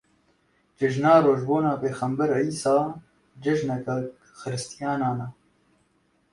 Cejina Rojbûna Pêxember Îsa cejineke xiristiyanan e.